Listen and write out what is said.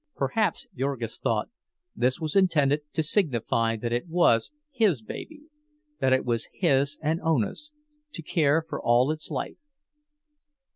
Perhaps, Jurgis thought, this was intended to signify that it was his baby; that it was his and Ona's, to care for all its life.